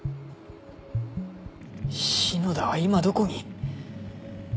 篠田は今どこに？